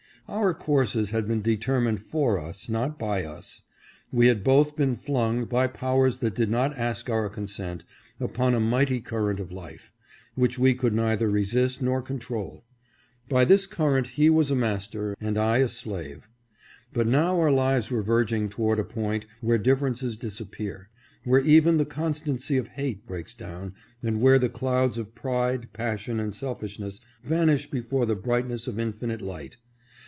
Our courses had been determined for us, not by us. We had both been flung, by powers that did not ask our consent, upon a mighty current of life, which we could neither resist nor control. By this current he was a master, and I a slave ; but now our lives were verging towards a point where differences disappear, where even the constancy of hate breaks down and where the clouds of pride, passion and selfishness vanish before the bright ness of infinite light.